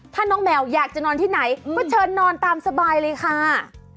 ถ้าน้องแมวอยากจะนอนที่ไหนก็เชิญนอนตามสบายเลยค่ะ